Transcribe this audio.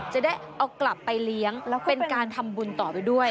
จะได้เอากลับไปเลี้ยงแล้วเป็นการทำบุญต่อไปด้วย